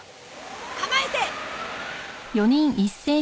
構えて！